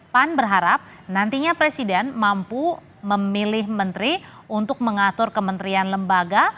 pan berharap nantinya presiden mampu memilih menteri untuk mengatur kementerian lembaga